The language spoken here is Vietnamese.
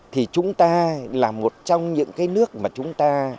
thì chúng ta là một trong những cái nước mà chúng ta